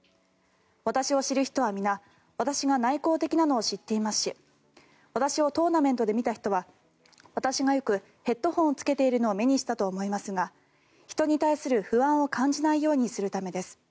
私を知る人は皆私が内向的なのを知っていますし私をトーナメントで見た人は私がよくヘッドホンをつけているのを目にしたと思いますが人に対する不安を感じないようにするためです